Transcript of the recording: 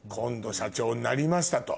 社長になりましたと。